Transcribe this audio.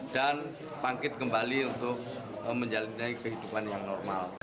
dan pangkit kembali untuk menjalin kehidupan yang normal